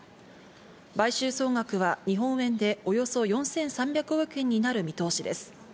買収総額は日本円でおよそ４３００億円になる見通しです。